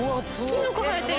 キノコ生えてる。